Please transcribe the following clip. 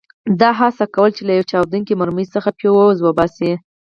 ده هڅه کوله چې له یوې چاودېدونکې مرمۍ څخه فیوز وباسي.